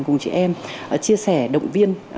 cùng chị em chia sẻ động viên